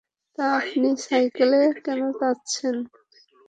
তা আপনি সাইকেলে কেন যাচ্ছেন?